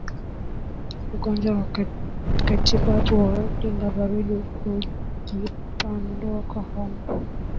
Ungojwa wa kitabibu wa ndigana baridi hujipambanua kwa homa